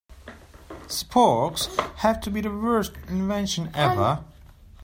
Sporks have to be the worst invention ever.